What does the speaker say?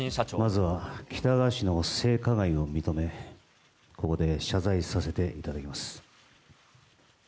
まずは喜多川氏の性加害を認め、ここで謝罪させていただきます。